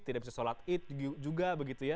tidak bisa sholat id juga begitu ya